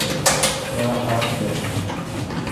خدا خار تھہ۔